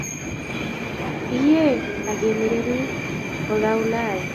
Iyie ake emeriri oltaulai